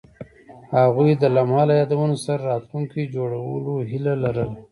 هغوی د لمحه له یادونو سره راتلونکی جوړولو هیله لرله.